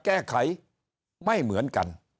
แก้ไขไม่เหมือนกัน